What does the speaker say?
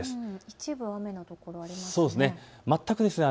一部、青の所ありますね。